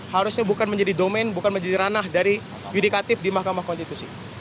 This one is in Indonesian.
harusnya bukan menjadi domain bukan menjadi ranah dari yudikatif di mahkamah konstitusi